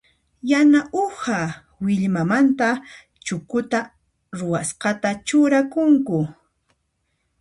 Yana uha willmamanta chukuta ruwasqata churakunku.